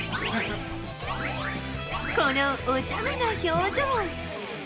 このおちゃめな表情。